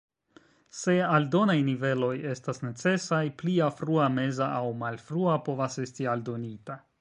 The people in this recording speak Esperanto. Se aldonaj niveloj estas necesaj, plia "Frua", "Meza" aŭ "Malfrua" povas esti aldonita.